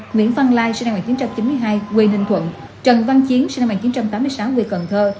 nguyễn phan lai sinh năm một nghìn chín trăm chín mươi hai huyền hình thuận trần văn chiến sinh năm một nghìn chín trăm tám mươi sáu huyền cần thơ